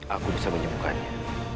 aku bisa menyembuhkannya